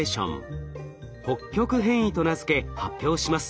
北極変異と名付け発表します。